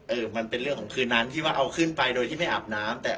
มันเป็นเรื่องของคืนนั้นที่ว่าเอาขึ้นไปโดยที่ไม่อาบน้ำแต่